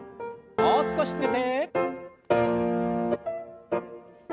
もう少し続けて。